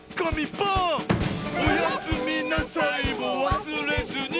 「おやすみなさいもわすれずに」